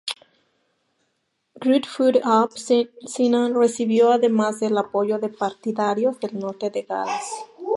Gruffudd ap Cynan recibió además el apoyo de partidarios del norte de Gales.